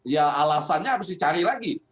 ya alasannya harus dicari lagi